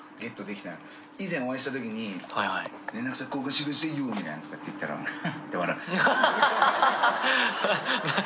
以前お会いしたときに連絡先交換してくださいよって言ったらハッ！って笑って。